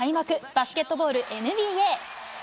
バスケットボールＮＢＡ。